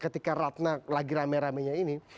ketika ratna lagi rame ramenya ini